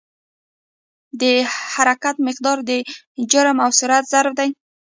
د حرکت مقدار د جرم او سرعت ضرب دی.